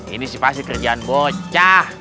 ini sih pasti kerjaan bocah